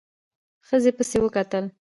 ښځې پسې وکتل.